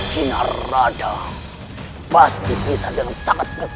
kina raden pasti bisa dengan sangat begitu mudah